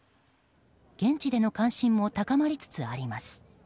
現地での関心も高まりつつあります。